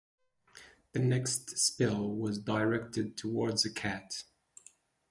The next spell was directed towards a cat.